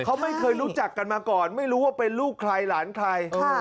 เขาไม่เคยรู้จักกันมาก่อนไม่รู้ว่าเป็นลูกใครหลานใคร